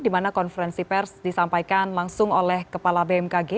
dimana konferensi pers disampaikan langsung oleh kepala bmkg